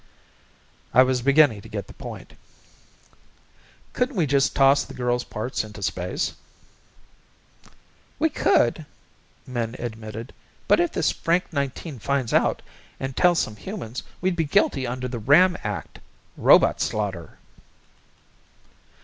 I was beginning to get the point. "Couldn't we just toss the girl's parts into space?" "We could," Min admitted. "But if this Frank Nineteen finds out and tells some human we'd be guilty under the Ramm Act robotslaughter."